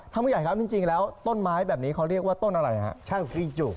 ถ้าไม่ใหญ่ครับจริงแล้วต้นไม้แบบนี้เขาเรียกว่าต้นอะไรครับ